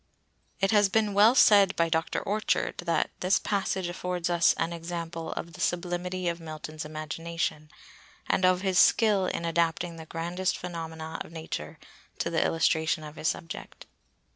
It has been well said by Dr. Orchard that "this passage affords us an example of the sublimity of Milton's imagination and of his skill in adapting the grandest phenomena of nature to the illustration of his subject."